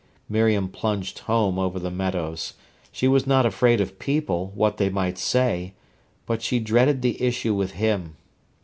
Miriam plunged home over the meadows. She was not afraid of people, what they might say; but she dreaded the issue with him.